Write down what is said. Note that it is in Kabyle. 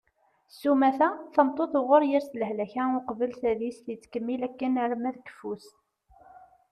sumata tameṭṭut uɣur yers lehlak-a uqbel tadist yettkemmil akken arma d keffu-s